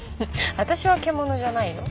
私は獣じゃないよ。